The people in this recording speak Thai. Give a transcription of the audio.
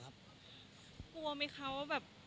กลัวไหมคะว่าแบบ